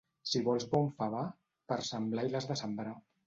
Si vols bon favar, per Sant Blai l'has de sembrar.